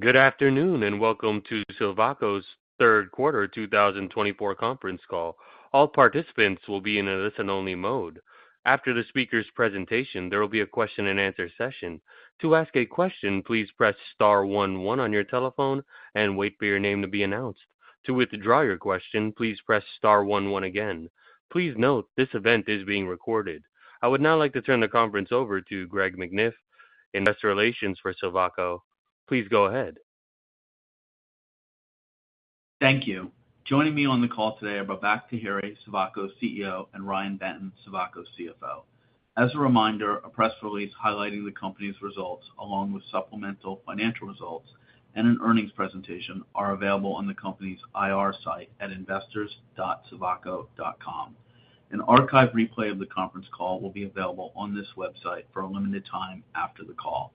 Good afternoon and welcome to Silvaco's Third Quarter 2024 conference call. All participants will be in a listen-only mode. After the speaker's presentation, there will be a question-and-answer session. To ask a question, please press star 11 on your telephone and wait for your name to be announced. To withdraw your question, please press star 11 again. Please note this event is being recorded. I would now like to turn the conference over to Greg McNiff, Investor Relations for Silvaco. Please go ahead. Thank you. Joining me on the call today are Babak Taheri, Silvaco CEO, and Ryan Benton, Silvaco CFO. As a reminder, a press release highlighting the company's results, along with supplemental financial results and an earnings presentation, are available on the company's IR site at investors.silvaco.com. An archived replay of the conference call will be available on this website for a limited time after the call.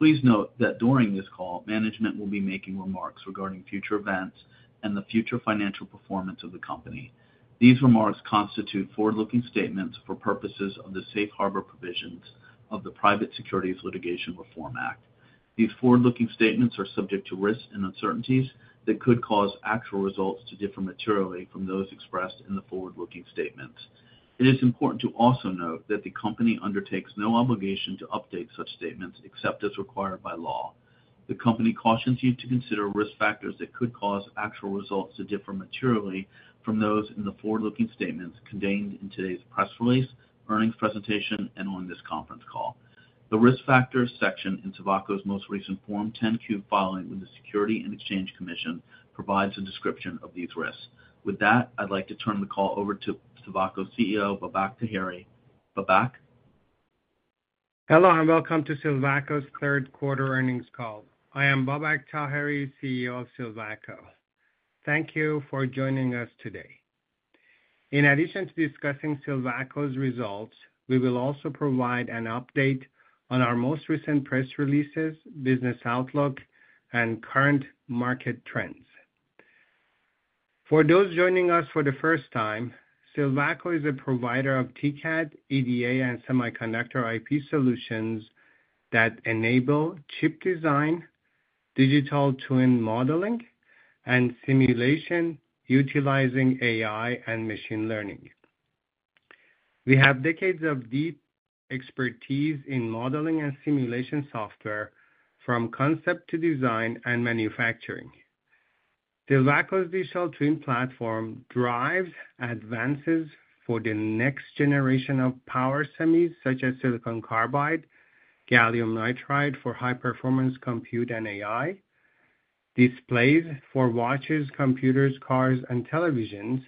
Please note that during this call, management will be making remarks regarding future events and the future financial performance of the company. These remarks constitute forward-looking statements for purposes of the Safe Harbor Provisions of the Private Securities Litigation Reform Act. These forward-looking statements are subject to risks and uncertainties that could cause actual results to differ materially from those expressed in the forward-looking statements. It is important to also note that the company undertakes no obligation to update such statements except as required by law. The company cautions you to consider risk factors that could cause actual results to differ materially from those in the forward-looking statements contained in today's press release, earnings presentation, and on this conference call. The risk factors section in Silvaco's most recent Form 10-Q filing with the Securities and Exchange Commission provides a description of these risks. With that, I'd like to turn the call over to Silvaco CEO, Babak Taheri. Babak? Hello and welcome to Silvaco's third quarter earnings call. I am Babak Taheri, CEO of Silvaco. Thank you for joining us today. In addition to discussing Silvaco's results, we will also provide an update on our most recent press releases, business outlook, and current market trends. For those joining us for the first time, Silvaco is a provider of TCAD, EDA, and semiconductor IP solutions that enable chip design, digital twin modeling, and simulation utilizing AI and machine learning. We have decades of deep expertise in modeling and simulation software from concept to design and manufacturing. Silvaco's digital twin platform drives advances for the next generation of power semis such as silicon carbide, gallium nitride for high-performance compute and AI, displays for watches, computers, cars, and televisions,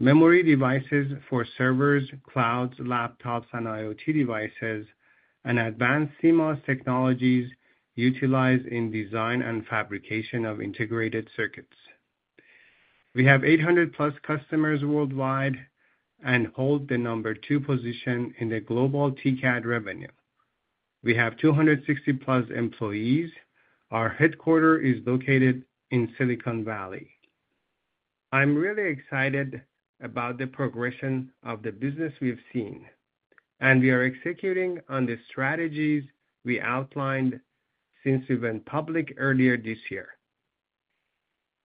memory devices for servers, clouds, laptops, and IoT devices, and advanced CMOS technologies utilized in design and fabrication of integrated circuits. We have 800+ customers worldwide and hold the number two position in the global TCAD revenue. We have 260+ employees. Our headquarters is located in Silicon Valley. I'm really excited about the progression of the business we've seen, and we are executing on the strategies we outlined since we went public earlier this year.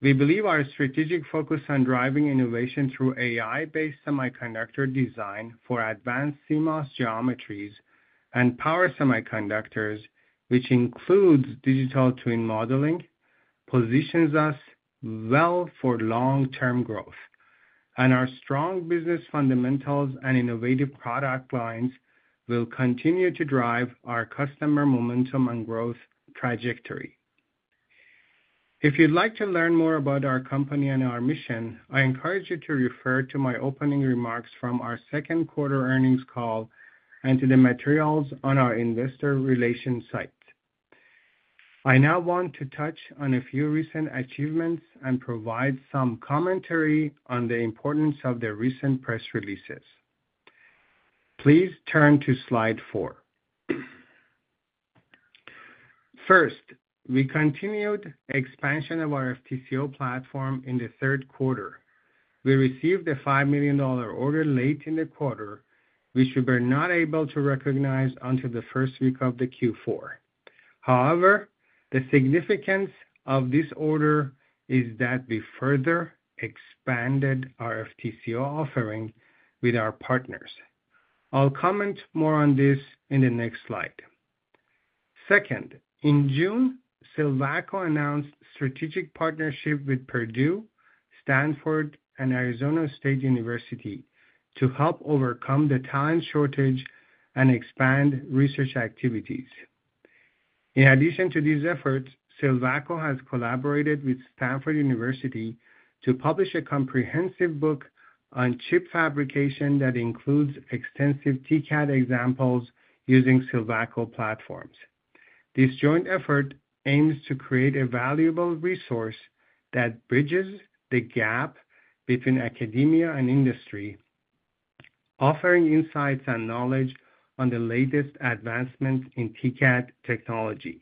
We believe our strategic focus on driving innovation through AI-based semiconductor design for advanced CMOS geometries and power semiconductors, which includes digital twin modeling, positions us well for long-term growth, and our strong business fundamentals and innovative product lines will continue to drive our customer momentum and growth trajectory. If you'd like to learn more about our company and our mission, I encourage you to refer to my opening remarks from our second quarter earnings call and to the materials on our investor relations site. I now want to touch on a few recent achievements and provide some commentary on the importance of the recent press releases. Please turn to slide four. First, we continued expansion of our FTCO platform in the third quarter. We received a $5 million order late in the quarter, which we were not able to recognize until the first week of Q4. However, the significance of this order is that we further expanded our FTCO offering with our partners. I'll comment more on this in the next slide. Second, in June, Silvaco announced strategic partnership with Purdue, Stanford, and Arizona State University to help overcome the talent shortage and expand research activities. In addition to these efforts, Silvaco has collaborated with Stanford University to publish a comprehensive book on chip fabrication that includes extensive TCAD examples using Silvaco platforms. This joint effort aims to create a valuable resource that bridges the gap between academia and industry, offering insights and knowledge on the latest advancements in TCAD technology.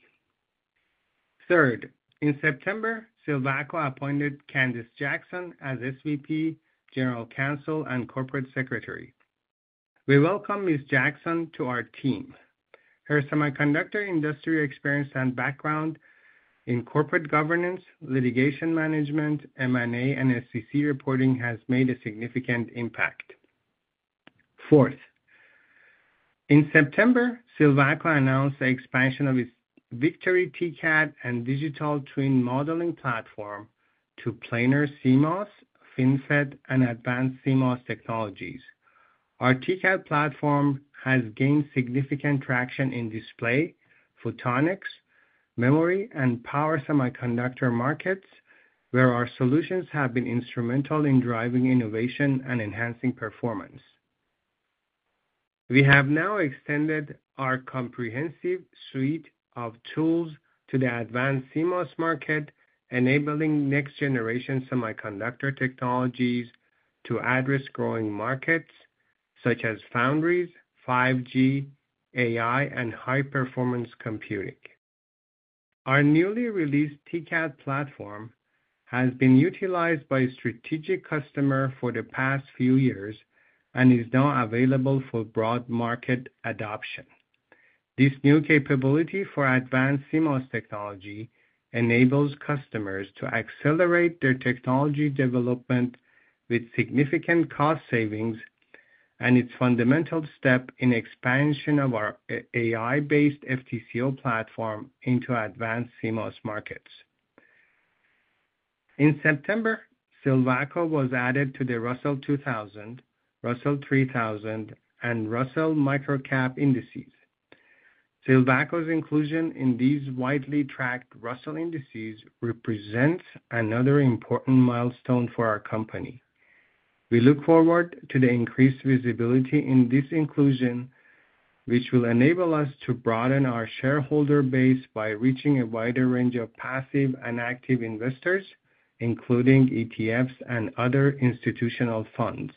Third, in September, Silvaco appointed Candice Jackson as SVP, General Counsel, and Corporate Secretary. We welcome Ms. Jackson to our team. Her semiconductor industry experience and background in corporate governance, litigation management, M&A, and SEC reporting has made a significant impact. Fourth, in September, Silvaco announced the expansion of its Victory TCAD and digital twin modeling platform to planar CMOS, FinFET, and advanced CMOS technologies. Our TCAD platform has gained significant traction in display, photonics, memory, and power semiconductor markets, where our solutions have been instrumental in driving innovation and enhancing performance. We have now extended our comprehensive suite of tools to the advanced CMOS market, enabling next-generation semiconductor technologies to address growing markets such as foundries, 5G, AI, and high-performance computing. Our newly released TCAD platform has been utilized by a strategic customer for the past few years and is now available for broad market adoption. This new capability for advanced CMOS technology enables customers to accelerate their technology development with significant cost savings, and it's a fundamental step in the expansion of our AI-based FTCO platform into advanced CMOS markets. In September, Silvaco was added to the Russell 2000, Russell 3000, and Russell Microcap indices. Silvaco's inclusion in these widely tracked Russell indices represents another important milestone for our company. We look forward to the increased visibility in this inclusion, which will enable us to broaden our shareholder base by reaching a wider range of passive and active investors, including ETFs and other institutional funds.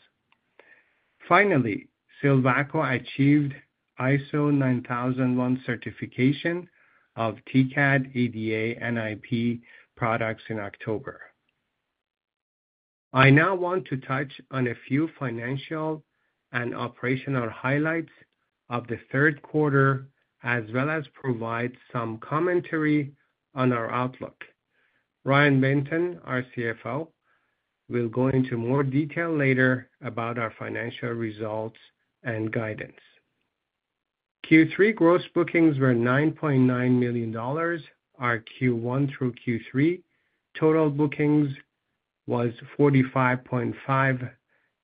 Finally, Silvaco achieved ISO 9001 certification of TCAD, EDA, and IP products in October. I now want to touch on a few financial and operational highlights of the third quarter, as well as provide some commentary on our outlook. Ryan Benton, our CFO, will go into more detail later about our financial results and guidance. Q3 gross bookings were $9.9 million. Our Q1 through Q3 total bookings were $45.5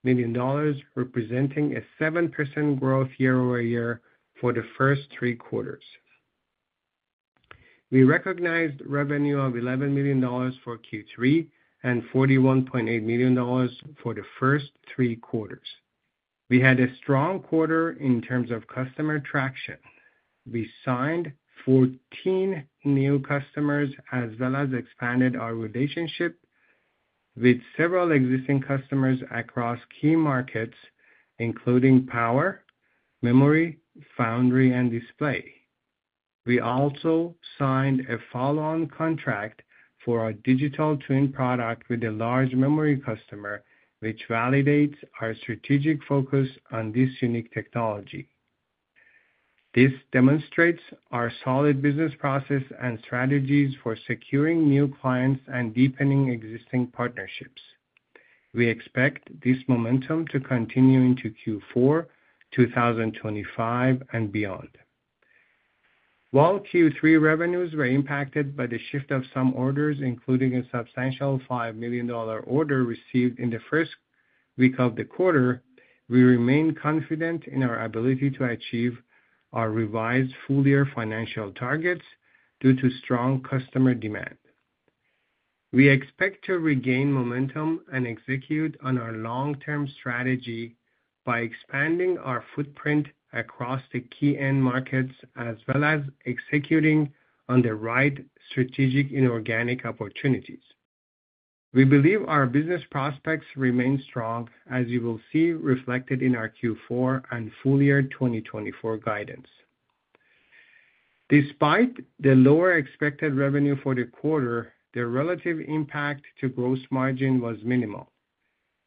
million, representing a 7% growth year-over-year for the first three quarters. We recognized revenue of $11 million for Q3 and $41.8 million for the first three quarters. We had a strong quarter in terms of customer traction. We signed 14 new customers as well as expanded our relationship with several existing customers across key markets, including power, memory, foundry, and display. We also signed a follow-on contract for a digital twin product with a large memory customer, which validates our strategic focus on this unique technology. This demonstrates our solid business process and strategies for securing new clients and deepening existing partnerships. We expect this momentum to continue into Q4, 2025, and beyond. While Q3 revenues were impacted by the shift of some orders, including a substantial $5 million order received in the first week of the quarter, we remain confident in our ability to achieve our revised full-year financial targets due to strong customer demand. We expect to regain momentum and execute on our long-term strategy by expanding our footprint across the key end markets as well as executing on the right strategic inorganic opportunities. We believe our business prospects remain strong, as you will see reflected in our Q4 and full-year 2024 guidance. Despite the lower expected revenue for the quarter, the relative impact to gross margin was minimal.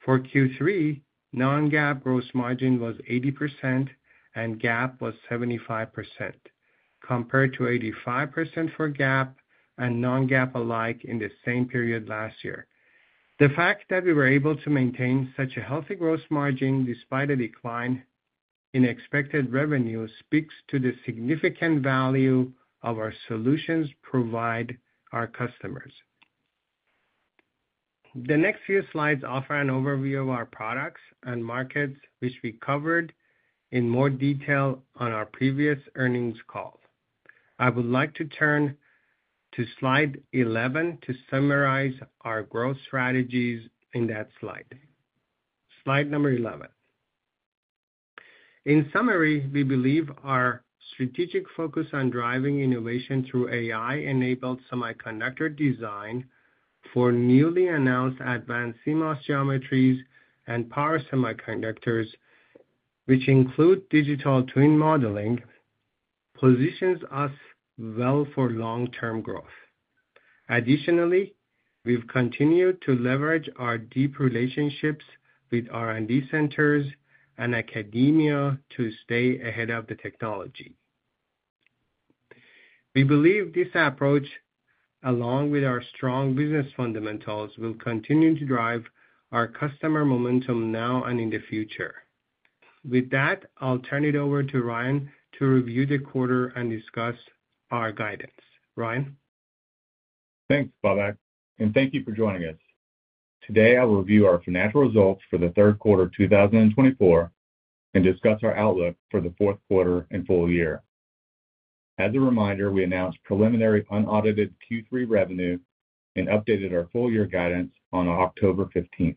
For Q3, non-GAAP gross margin was 80% and GAAP was 75%, compared to 85% for GAAP and non-GAAP alike in the same period last year. The fact that we were able to maintain such a healthy gross margin despite a decline in expected revenue speaks to the significant value our solutions provide our customers. The next few slides offer an overview of our products and markets, which we covered in more detail on our previous earnings call. I would like to turn to slide 11 to summarize our growth strategies in that slide. Slide number 11. In summary, we believe our strategic focus on driving innovation through AI-enabled semiconductor design for newly announced advanced CMOS geometries and power semiconductors, which include digital twin modeling, positions us well for long-term growth. Additionally, we've continued to leverage our deep relationships with R&D centers and academia to stay ahead of the technology. We believe this approach, along with our strong business fundamentals, will continue to drive our customer momentum now and in the future. With that, I'll turn it over to Ryan to review the quarter and discuss our guidance. Ryan? Thanks, Babak. And thank you for joining us. Today, I'll review our financial results for the third quarter of 2024 and discuss our outlook for the fourth quarter and full year. As a reminder, we announced preliminary unaudited Q3 revenue and updated our full-year guidance on October 15th.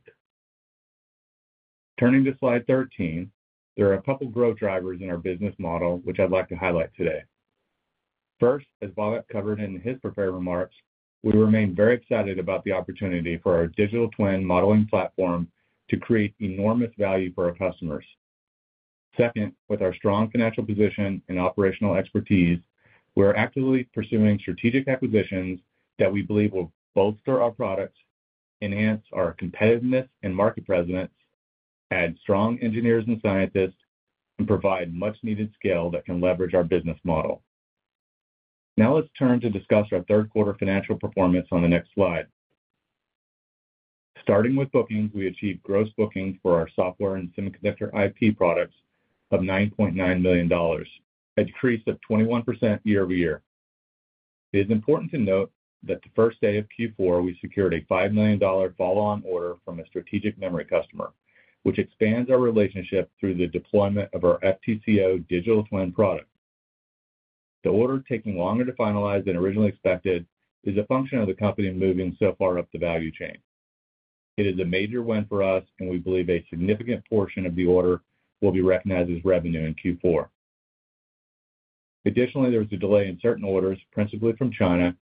Turning to slide 13, there are a couple of growth drivers in our business model, which I'd like to highlight today. First, as Babak covered in his prepared remarks, we remain very excited about the opportunity for our digital twin modeling platform to create enormous value for our customers. Second, with our strong financial position and operational expertise, we're actively pursuing strategic acquisitions that we believe will bolster our products, enhance our competitiveness and market presence, add strong engineers and scientists, and provide much-needed skill that can leverage our business model. Now let's turn to discuss our third quarter financial performance on the next slide. Starting with bookings, we achieved gross bookings for our software and semiconductor IP products of $9.9 million, a decrease of 21% year-over-year. It is important to note that the first day of Q4, we secured a $5 million follow-on order from a strategic memory customer, which expands our relationship through the deployment of our FTCO digital twin product. The order, taking longer to finalize than originally expected, is a function of the company moving so far up the value chain. It is a major win for us, and we believe a significant portion of the order will be recognized as revenue in Q4. Additionally, there was a delay in certain orders, principally from China,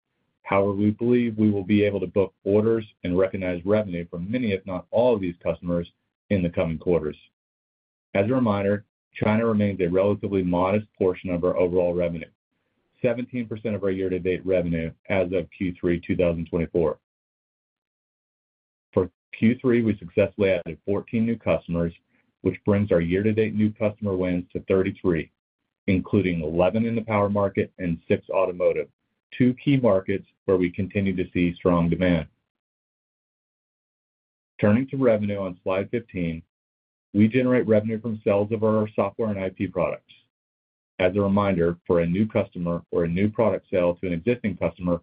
however, we believe we will be able to book orders and recognize revenue from many, if not all, of these customers in the coming quarters. As a reminder, China remains a relatively modest portion of our overall revenue, 17% of our year-to-date revenue as of Q3 2024. For Q3, we successfully added 14 new customers, which brings our year-to-date new customer wins to 33, including 11 in the power market and 6 automotive, two key markets where we continue to see strong demand. Turning to revenue on slide 15, we generate revenue from sales of our software and IP products. As a reminder, for a new customer or a new product sale to an existing customer,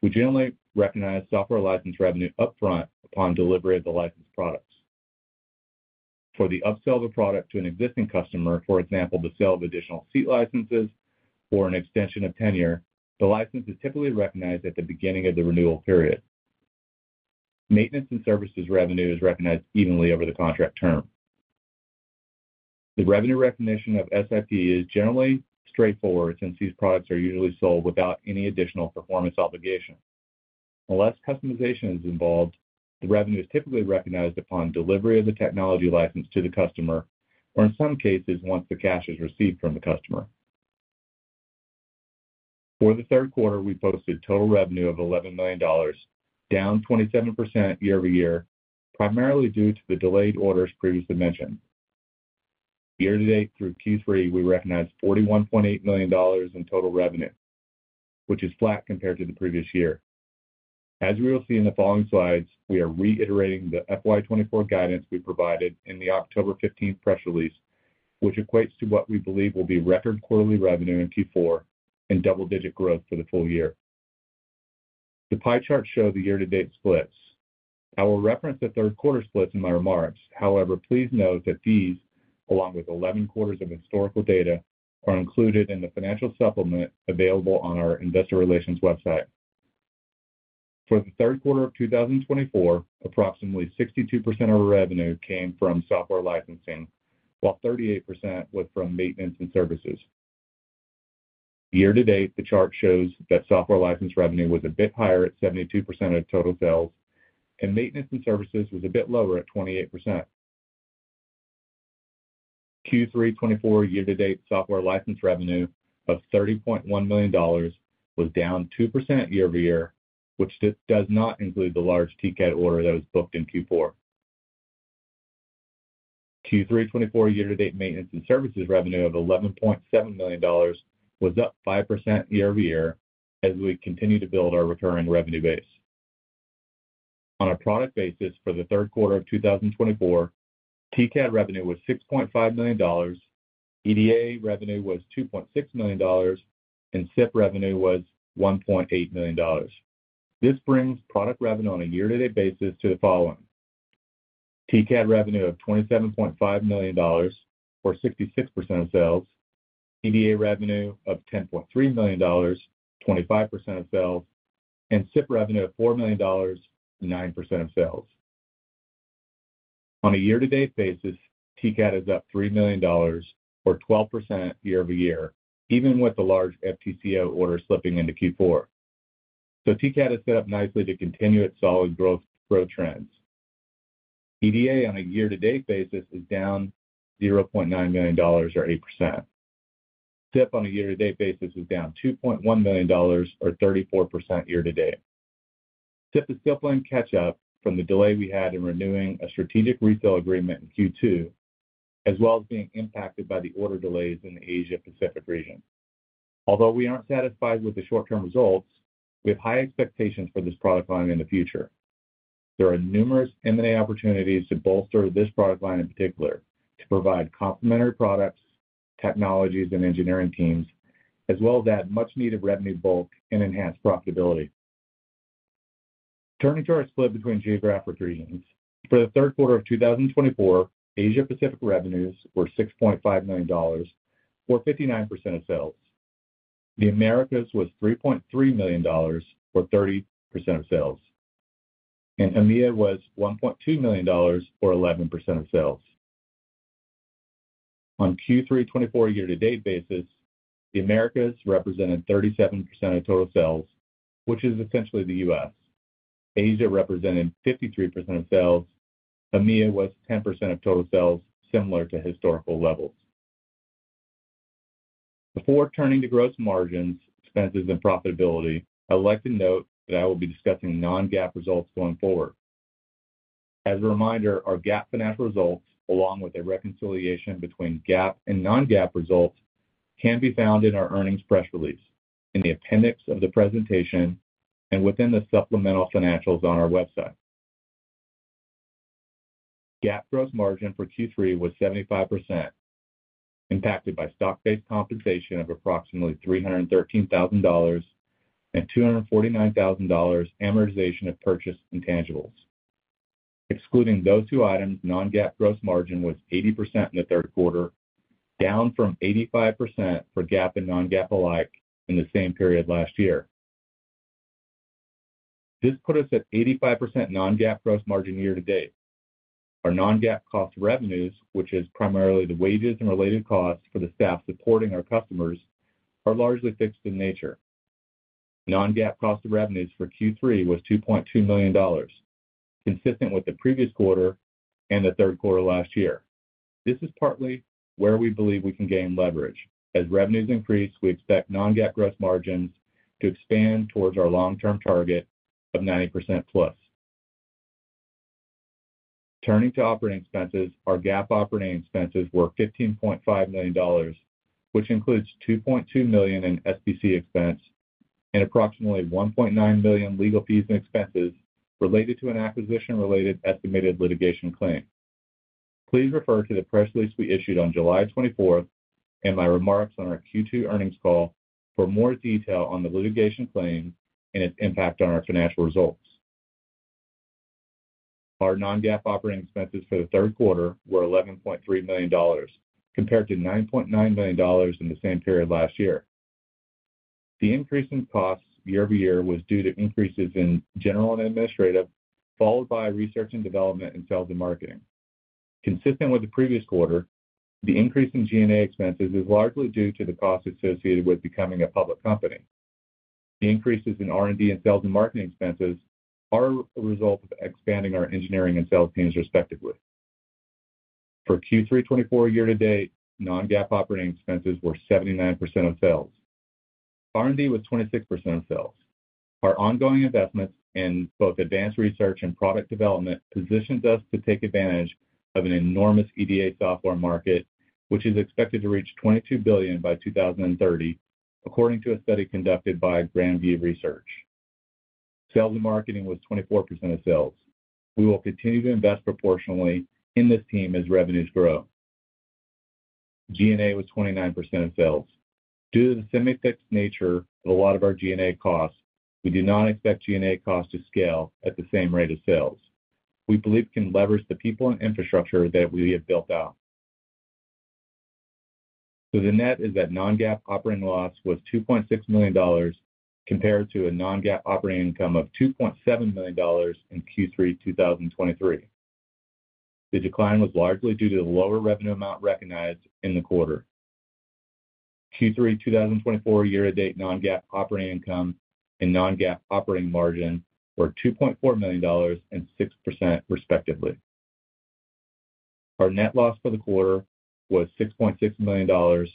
we generally recognize software license revenue upfront upon delivery of the licensed products. For the upsell of a product to an existing customer, for example, the sale of additional seat licenses or an extension of tenure, the license is typically recognized at the beginning of the renewal period. Maintenance and services revenue is recognized evenly over the contract term. The revenue recognition of SIP is generally straightforward since these products are usually sold without any additional performance obligation. Unless customization is involved, the revenue is typically recognized upon delivery of the technology license to the customer, or in some cases, once the cash is received from the customer. For the third quarter, we posted total revenue of $11 million, down 27% year-over-year, primarily due to the delayed orders previously mentioned. Year-to-date through Q3, we recognize $41.8 million in total revenue, which is flat compared to the previous year. As we will see in the following slides, we are reiterating the FY24 guidance we provided in the October 15th press release, which equates to what we believe will be record quarterly revenue in Q4 and double-digit growth for the full year. The pie charts show the year-to-date splits. I will reference the third quarter splits in my remarks. However, please note that these, along with 11 quarters of historical data, are included in the financial supplement available on our investor relations website. For the third quarter of 2024, approximately 62% of our revenue came from software licensing, while 38% was from maintenance and services. Year-to-date, the chart shows that software license revenue was a bit higher at 72% of total sales, and maintenance and services was a bit lower at 28%. Q3 2024 year-to-date software license revenue of $30.1 million was down 2% year-over-year, which does not include the large TCAD order that was booked in Q4. Q3 2024 year-to-date maintenance and services revenue of $11.7 million was up 5% year-over-year as we continue to build our recurring revenue base. On a product basis, for the third quarter of 2024, TCAD revenue was $6.5 million, EDA revenue was $2.6 million, and SIP revenue was $1.8 million. This brings product revenue on a year-to-date basis to the following: TCAD revenue of $27.5 million, or 66% of sales, EDA revenue of $10.3 million, 25% of sales, and SIP revenue of $4 million, 9% of sales. On a year-to-date basis, TCAD is up $3 million, or 12% year-over-year, even with the large FTCO order slipping into Q4. So TCAD has set up nicely to continue its solid growth trends. EDA on a year-to-date basis is down $0.9 million, or 8%. SIP on a year-to-date basis is down $2.1 million, or 34% year-to-date. SIP is still playing catch-up from the delay we had in renewing a strategic resale agreement in Q2, as well as being impacted by the order delays in the Asia-Pacific region. Although we aren't satisfied with the short-term results, we have high expectations for this product line in the future. There are numerous M&A opportunities to bolster this product line in particular, to provide complementary products, technologies, and engineering teams, as well as add much-needed revenue bulk and enhance profitability. Turning to our split between geographic regions, for the third quarter of 2024, Asia-Pacific revenues were $6.5 million, or 59% of sales. The Americas was $3.3 million, or 30% of sales, and EMEA was $1.2 million, or 11% of sales. On Q3 2024 year-to-date basis, the Americas represented 37% of total sales, which is essentially the U.S. Asia represented 53% of sales. EMEA was 10% of total sales, similar to historical levels. Before turning to gross margins, expenses, and profitability, I'd like to note that I will be discussing non-GAAP results going forward. As a reminder, our GAAP financial results, along with a reconciliation between GAAP and non-GAAP results, can be found in our earnings press release, in the appendix of the presentation, and within the supplemental financials on our website. GAAP gross margin for Q3 was 75%, impacted by stock-based compensation of approximately $313,000 and $249,000 amortization of purchase intangibles. Excluding those two items, non-GAAP gross margin was 80% in the third quarter, down from 85% for GAAP and non-GAAP alike in the same period last year. This put us at 85% non-GAAP gross margin year-to-date. Our non-GAAP cost of revenues, which is primarily the wages and related costs for the staff supporting our customers, are largely fixed in nature. Non-GAAP cost of revenues for Q3 was $2.2 million, consistent with the previous quarter and the third quarter last year. This is partly where we believe we can gain leverage. As revenues increase, we expect non-GAAP gross margins to expand towards our long-term target of 90% plus. Turning to operating expenses, our GAAP operating expenses were $15.5 million, which includes $2.2 million in SBC expense and approximately $1.9 million legal fees and expenses related to an acquisition-related estimated litigation claim. Please refer to the press release we issued on July 24th and my remarks on our Q2 earnings call for more detail on the litigation claim and its impact on our financial results. Our non-GAAP operating expenses for the third quarter were $11.3 million, compared to $9.9 million in the same period last year. The increase in costs year-over-year was due to increases in general and administrative, followed by research and development and sales and marketing. Consistent with the previous quarter, the increase in G&A expenses is largely due to the costs associated with becoming a public company. The increases in R&D and sales and marketing expenses are a result of expanding our engineering and sales teams, respectively. For Q3 2024 year-to-date, non-GAAP operating expenses were 79% of sales. R&D was 26% of sales. Our ongoing investments in both advanced research and product development positioned us to take advantage of an enormous EDA software market, which is expected to reach $22 billion by 2030, according to a study conducted by Grand View Research. Sales and marketing was 24% of sales. We will continue to invest proportionally in this team as revenues grow. G&A was 29% of sales. Due to the semi-fixed nature of a lot of our G&A costs, we do not expect G&A costs to scale at the same rate of sales. We believe we can leverage the people and infrastructure that we have built out. So the net is that non-GAAP operating loss was $2.6 million, compared to a non-GAAP operating income of $2.7 million in Q3 2023. The decline was largely due to the lower revenue amount recognized in the quarter. Q3 2024 year-to-date non-GAAP operating income and non-GAAP operating margin were $2.4 million and 6%, respectively. Our net loss for the quarter was $6.6 million,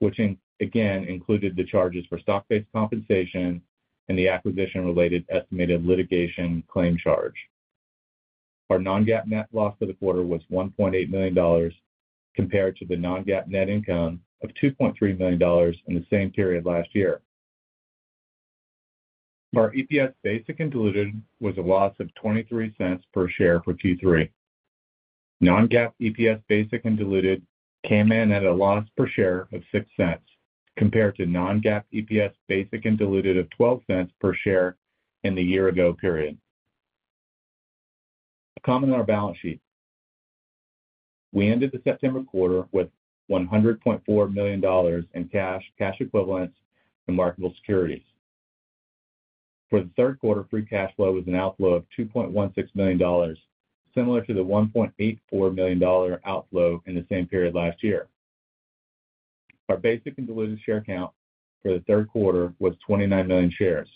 which again included the charges for stock-based compensation and the acquisition-related estimated litigation claim charge. Our non-GAAP net loss for the quarter was $1.8 million, compared to the non-GAAP net income of $2.3 million in the same period last year. Our EPS basic and diluted was a loss of $0.23 per share for Q3. Non-GAAP EPS basic and diluted came in at a loss per share of $0.06, compared to non-GAAP EPS basic and diluted of $0.12 per share in the year-ago period. A comment on our balance sheet. We ended the September quarter with $100.4 million in cash, cash equivalents, and marketable securities. For the third quarter, free cash flow was an outflow of $2.16 million, similar to the $1.84 million outflow in the same period last year. Our basic and diluted share count for the third quarter was 29 million shares.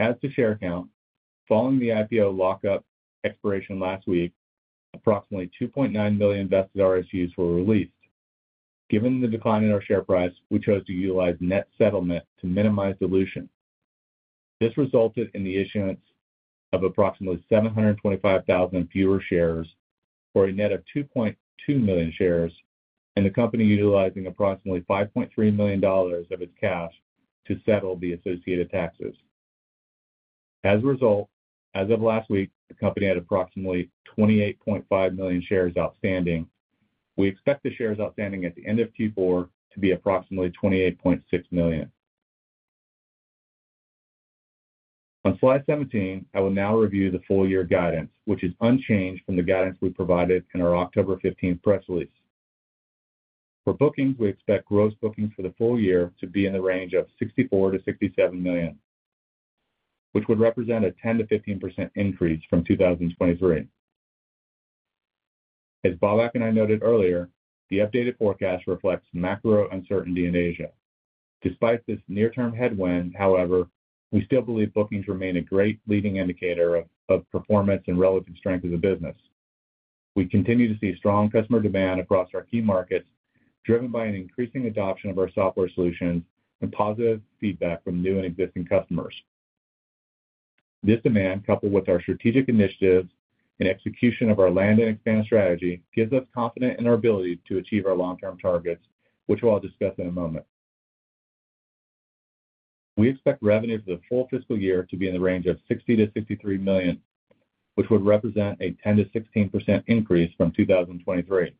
As to share count, following the IPO lockup expiration last week, approximately 2.9 million vested RSUs were released. Given the decline in our share price, we chose to utilize net settlement to minimize dilution. This resulted in the issuance of approximately 725,000 fewer shares for a net of 2.2 million shares, and the company utilizing approximately $5.3 million of its cash to settle the associated taxes. As a result, as of last week, the company had approximately 28.5 million shares outstanding. We expect the shares outstanding at the end of Q4 to be approximately 28.6 million. On slide 17, I will now review the full-year guidance, which is unchanged from the guidance we provided in our October 15th press release. For bookings, we expect gross bookings for the full year to be in the range of $64 million-$67 million, which would represent a 10%-15% increase from 2023. As Babak and I noted earlier, the updated forecast reflects macro uncertainty in Asia. Despite this near-term headwind, however, we still believe bookings remain a great leading indicator of performance and relative strength of the business. We continue to see strong customer demand across our key markets, driven by an increasing adoption of our software solutions and positive feedback from new and existing customers. This demand, coupled with our strategic initiatives and execution of our land and expand strategy, gives us confidence in our ability to achieve our long-term targets, which I'll discuss in a moment. We expect revenues for the full fiscal year to be in the range of $60-$63 million, which would represent a 10%-16% increase from 2023.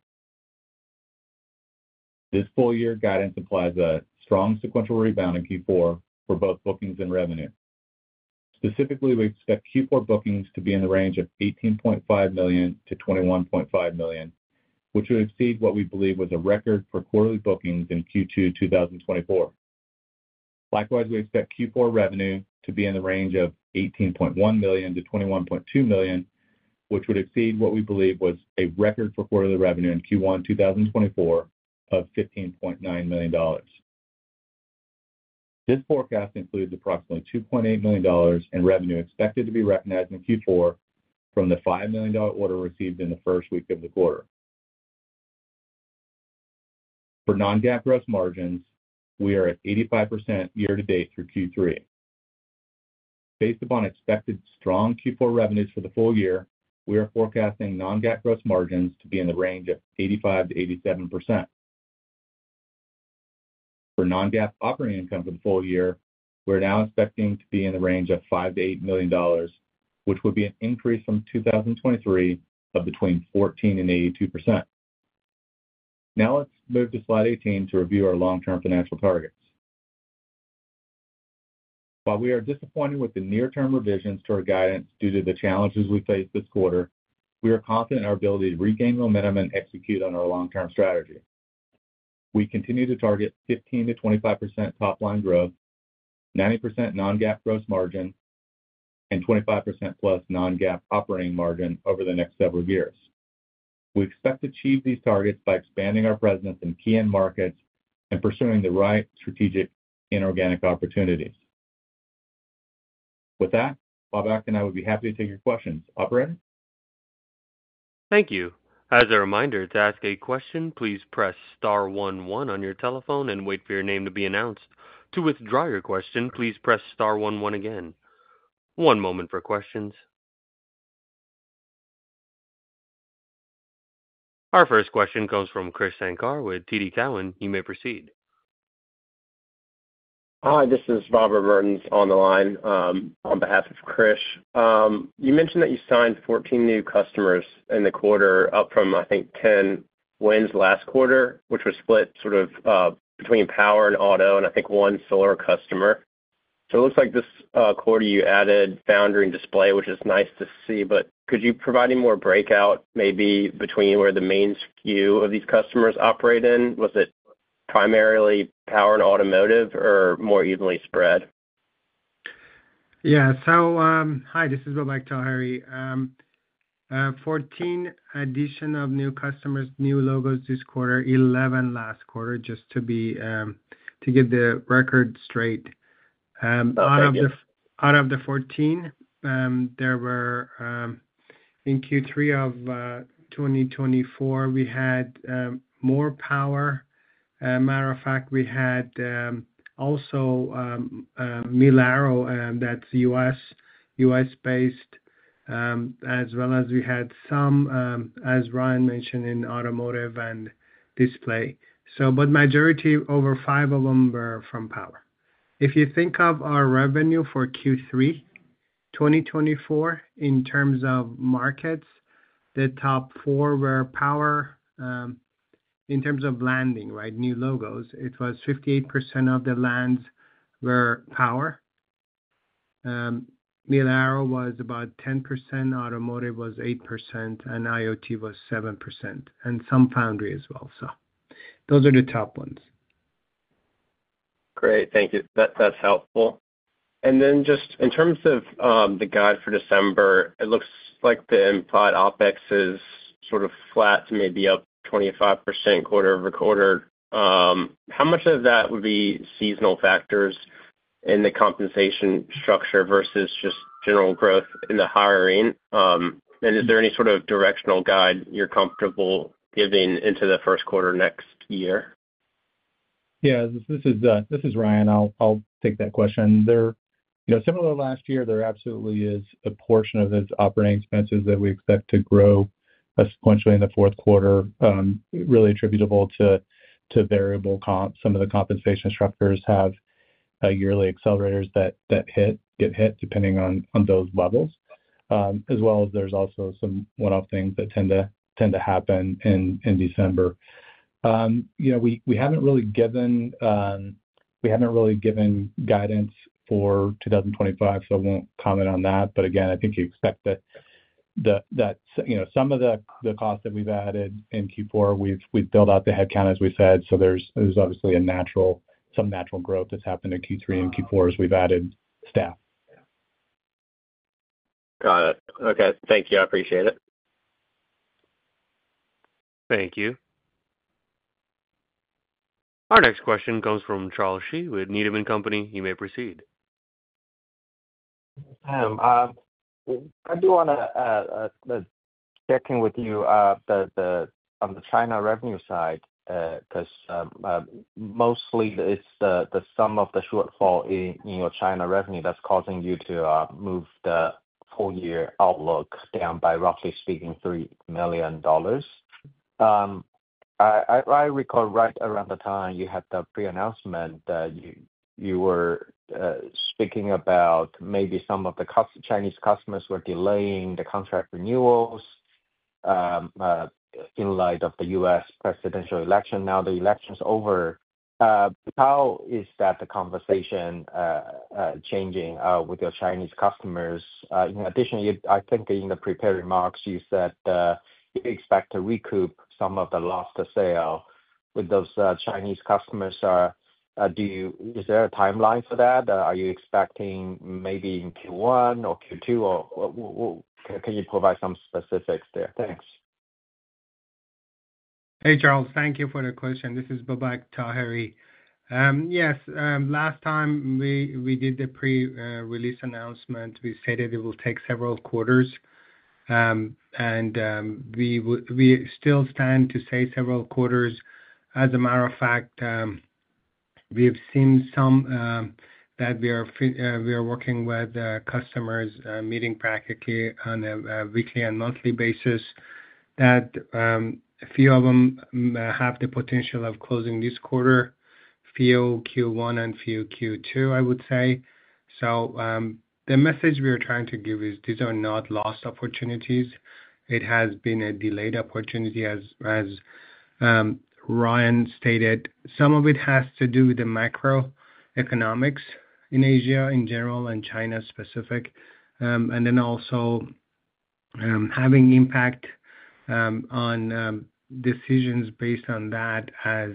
This full-year guidance implies a strong sequential rebound in Q4 for both bookings and revenue. Specifically, we expect Q4 bookings to be in the range of $18.5 million-$21.5 million, which would exceed what we believe was a record for quarterly bookings in Q2 2024. Likewise, we expect Q4 revenue to be in the range of $18.1 million-$21.2 million, which would exceed what we believe was a record for quarterly revenue in Q1 2024 of $15.9 million. This forecast includes approximately $2.8 million in revenue expected to be recognized in Q4 from the $5 million order received in the first week of the quarter. For non-GAAP gross margins, we are at 85% year-to-date through Q3. Based upon expected strong Q4 revenues for the full year, we are forecasting non-GAAP gross margins to be in the range of 85%-87%. For non-GAAP operating income for the full year, we're now expecting to be in the range of $5-$8 million, which would be an increase from 2023 of between 14 and 82%. Now let's move to slide 18 to review our long-term financial targets. While we are disappointed with the near-term revisions to our guidance due to the challenges we faced this quarter, we are confident in our ability to regain momentum and execute on our long-term strategy. We continue to target 15%-25% top-line growth, 90% non-GAAP gross margin, and 25% plus non-GAAP operating margin over the next several years. We expect to achieve these targets by expanding our presence in key end markets and pursuing the right strategic inorganic opportunities. With that, Babak and I would be happy to take your questions. Operator? Thank you. As a reminder, to ask a question, please press star one one on your telephone and wait for your name to be announced. To withdraw your question, please press star 11 again. One moment for questions. Our first question comes from Krish Sankar with TD Cowen. You may proceed. Hi, this is Robert Mertens on the line on behalf of rish. You mentioned that you signed 14 new customers in the quarter, up from, I think, 10 wins last quarter, which was split sort of between power and auto and, I think, one solar customer. So it looks like this quarter you added foundry and display, which is nice to see. But could you provide any more breakout, maybe between where the main skew of these customers operate in? Was it primarily power and automotive or more evenly spread? Yeah. So hi, this is Babak Taheri. 14 additional new customers, new logos this quarter, 11 last quarter, just to get the record straight. Out of the 14, there were, in Q3 of 2024, we had more power. As a matter of fact, we had also Mil/Aero, that's U.S.-based, as well as we had some, as Ryan mentioned, in automotive and display. But the majority, over five of them, were from power. If you think of our revenue for Q3 2024 in terms of markets, the top four were power. In terms of landing, right, new logos, it was 58% of the lands were power. Mil/Aero was about 10%, automotive was 8%, and IoT was 7%, and some foundry as well. So those are the top ones. Great. Thank you. That's helpful. And then just in terms of the guide for December, it looks like the implied OpEx is sort of flat, maybe up 25% quarter over quarter. How much of that would be seasonal factors in the compensation structure versus just general growth in the hiring? And is there any sort of directional guide you're comfortable giving into the first quarter next year? Yeah. This is Ryan. I'll take that question. Similar to last year, there absolutely is a portion of those operating expenses that we expect to grow sequentially in the fourth quarter, really attributable to variable comp. Some of the compensation structures have yearly accelerators that get hit depending on those levels, as well as there's also some one-off things that tend to happen in December. We haven't really given guidance for 2025, so I won't comment on that. But again, I think you expect that some of the costs that we've added in Q4, we've built out the headcount, as we said. So there's obviously some natural growth that's happened in Q3 and Q4 as we've added staff. Got it. Okay. Thank you. I appreciate it. Thank you. Our next question comes from Charles Shih with Needham & Company. You may proceed. I do want to check in with you on the China revenue side because mostly it's the sum of the shortfall in your China revenue that's causing you to move the full-year outlook down by, roughly speaking, $3 million. I recall right around the time you had the pre-announcement that you were speaking about maybe some of the Chinese customers were delaying the contract renewals in light of the U.S. presidential election. Now the election's over. How is that the conversation changing with your Chinese customers? In addition, I think in the prepared remarks, you said you expect to recoup some of the lost sale. With those Chinese customers, is there a timeline for that? Are you expecting maybe in Q1 or Q2? Can you provide some specifics there? Thanks. Hey, Charles. Thank you for the question. This is Babak Taheri. Yes. Last time we did the pre-release announcement, we stated it will take several quarters, and we still stand to say several quarters. As a matter of fact, we have seen some that we are working with customers meeting practically on a weekly and monthly basis, that a few of them have the potential of closing this quarter, a few Q1 and a few Q2, I would say, so the message we are trying to give is these are not lost opportunities. It has been a delayed opportunity, as Ryan stated. Some of it has to do with the macroeconomics in Asia in general and China specific, and then also having impact on decisions based on that as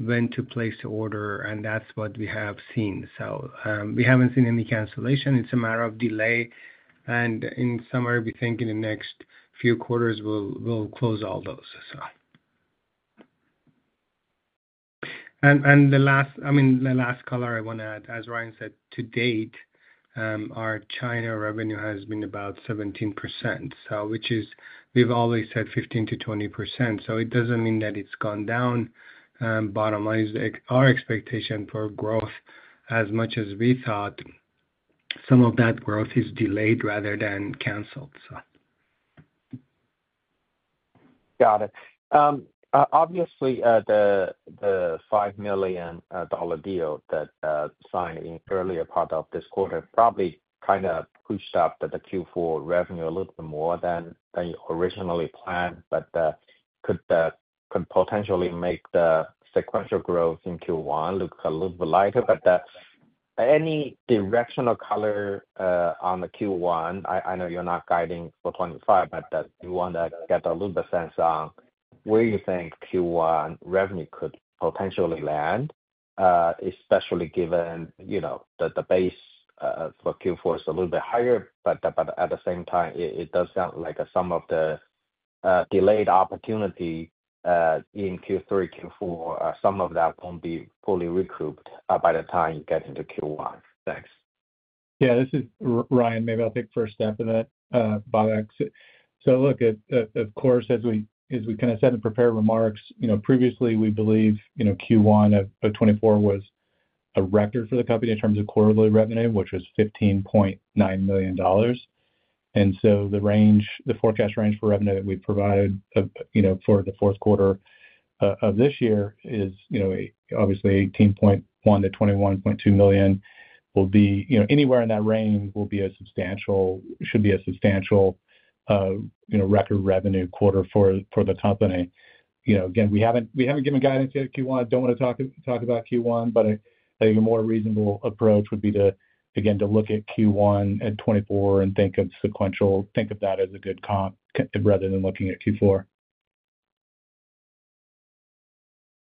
when to place the order. And that's what we have seen. So we haven't seen any cancellation. It's a matter of delay. And in summary, we think in the next few quarters, we'll close all those. And the last, I mean, the last color I want to add, as Ryan said, to date, our China revenue has been about 17%, which is we've always said 15%-20%. So it doesn't mean that it's gone down. Bottom line is our expectation for growth, as much as we thought, some of that growth is delayed rather than canceled. Got it. Obviously, the $5 million deal that signed in the earlier part of this quarter probably kind of pushed up the Q4 revenue a little bit more than originally planned, but could potentially make the sequential growth in Q1 look a little bit lighter. But any directional color on the Q1? I know you're not guiding for 2025, but you want to get a little bit of sense on where you think Q1 revenue could potentially land, especially given that the base for Q4 is a little bit higher. But at the same time, it does sound like some of the delayed opportunity in Q3, Q4, some of that won't be fully recouped by the time you get into Q1. Thanks. Yeah. This is Ryan. Maybe I'll take first step in that, Babak. So look, of course, as we kind of said in prepared remarks previously, we believe Q1 of 2024 was a record for the company in terms of quarterly revenue, which was $15.9 million. And so the forecast range for revenue that we provided for the fourth quarter of this year is obviously $18.1-$21.2 million. Anywhere in that range should be a substantial record revenue quarter for the company. Again, we haven't given guidance yet on Q1. I don't want to talk about Q1, but I think a more reasonable approach would be, again, to look at Q1 of 2024 and think of that as a good comp rather than looking at Q4.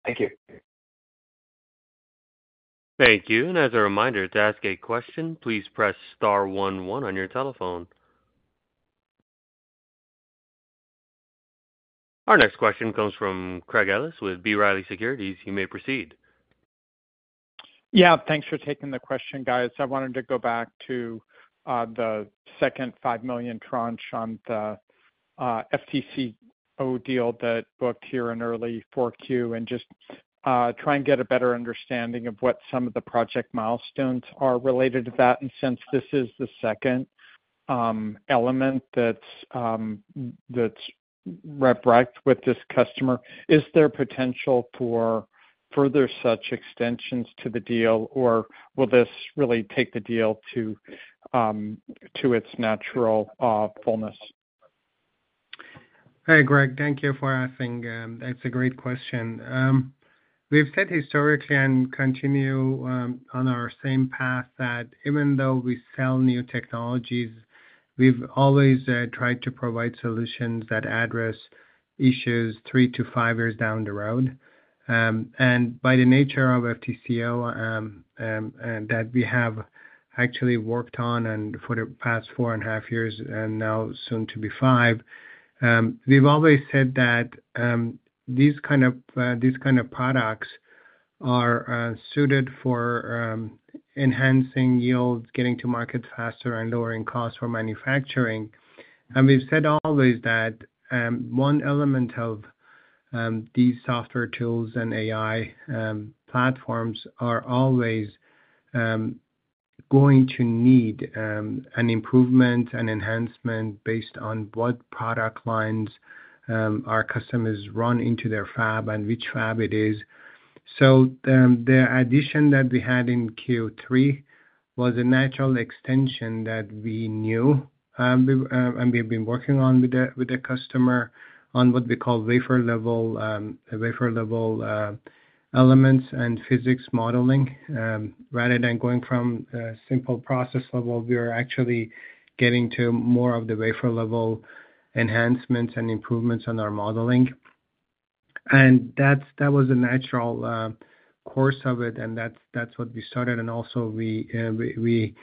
Thank you. Thank you. And as a reminder, to ask a question, please press star one one on your telephone. Our next question comes from Craig Ellis with B. Riley Securities. You may proceed. Yeah. Thanks for taking the question, guys. I wanted to go back to the second $5 million tranche on the FTCO deal that booked here in early 2024 Q and just try and get a better understanding of what some of the project milestones are related to that. And since this is the second element that's redlined with this customer, is there potential for further such extensions to the deal, or will this really take the deal to its natural fullness? Hey, Craig, thank you for asking. That's a great question. We've said historically and continue on our same path that even though we sell new technologies, we've always tried to provide solutions that address issues three to five years down the road. And by the nature of FTCO that we have actually worked on for the past four and a half years and now soon to be five, we've always said that these kind of products are suited for enhancing yields, getting to market faster, and lowering costs for manufacturing. And we've said always that one element of these software tools and AI platforms are always going to need an improvement and enhancement based on what product lines our customers run into their fab and which fab it is. So the addition that we had in Q3 was a natural extension that we knew, and we've been working on with the customer on what we call wafer-level elements and physics modeling. Rather than going from simple process level, we were actually getting to more of the wafer-level enhancements and improvements on our modeling. That was a natural course of it, and that's what we started. Also, we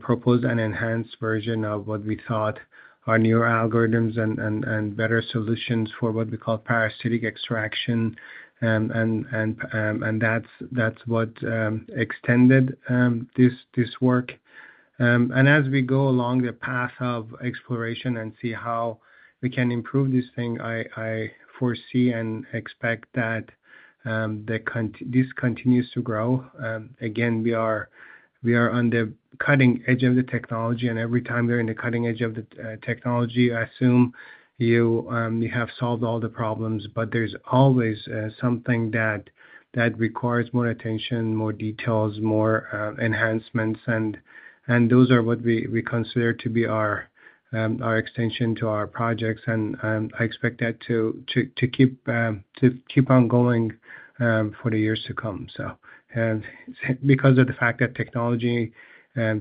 proposed an enhanced version of what we thought our newer algorithms and better solutions for what we call parasitic extraction. That's what extended this work. As we go along the path of exploration and see how we can improve this thing, I foresee and expect that this continues to grow. Again, we are on the cutting edge of the technology, and every time we're in the cutting edge of the technology, I assume you have solved all the problems. There's always something that requires more attention, more details, more enhancements. Those are what we consider to be our extension to our projects. I expect that to keep on going for the years to come. So because of the fact that technology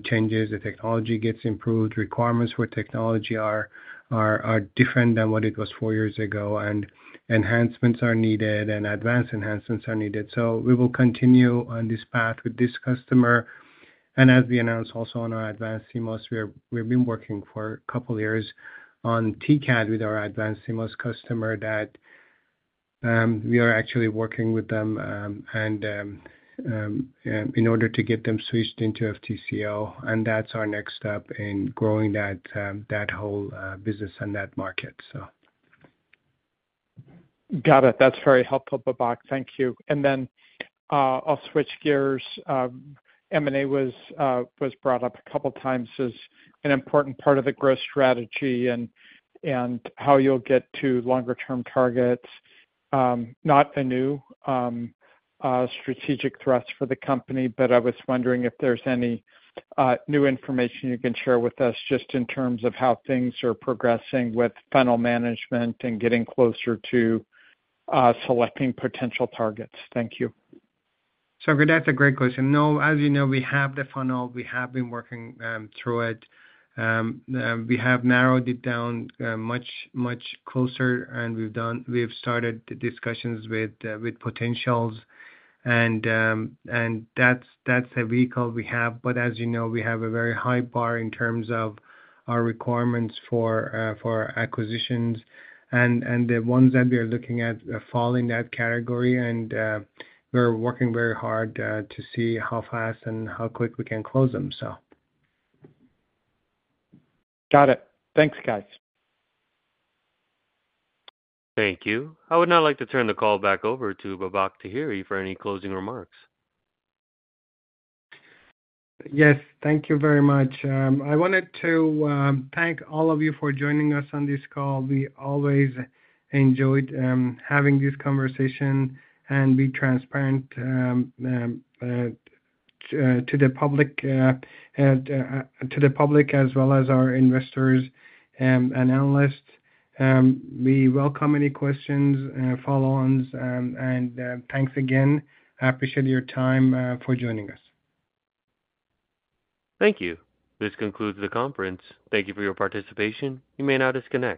changes, the technology gets improved, requirements for technology are different than what it was four years ago, and enhancements are needed, and advanced enhancements are needed. So we will continue on this path with this customer. And as we announced also on our advanced CMOS, we've been working for a couple of years on TCAD with our advanced CMOS customer that we are actually working with them in order to get them switched into FTCO. And that's our next step in growing that whole business and that market, so. Got it. That's very helpful, Babak. Thank you. And then I'll switch gears. M&A was brought up a couple of times as an important part of the growth strategy and how you'll get to longer-term targets. Not a new strategic threat for the company, but I was wondering if there's any new information you can share with us just in terms of how things are progressing with funnel management and getting closer to selecting potential targets. Thank you. So that's a great question. No, as you know, we have the funnel. We have been working through it. We have narrowed it down much closer, and we've started the discussions with potentials. And that's the vehicle we have. But as you know, we have a very high bar in terms of our requirements for acquisitions. And the ones that we are looking at fall in that category, and we're working very hard to see how fast and how quick we can close them, so. Got it. Thanks, guys. Thank you. I would now like to turn the call back over to Babak Taheri for any closing remarks. Yes. Thank you very much. I wanted to thank all of you for joining us on this call. We always enjoyed having this conversation and be transparent to the public, to the public as well as our investors and analysts. We welcome any questions, follow-ons, and thanks again. I appreciate your time for joining us. Thank you. This concludes the conference. Thank you for your participation. You may now disconnect.